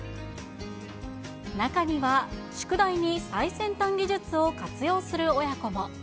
中には、宿題に最先端技術を活用する親子も。